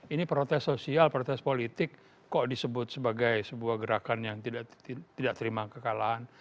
ini protes sosial protes politik kok disebut sebagai sebuah gerakan yang tidak terima kekalahan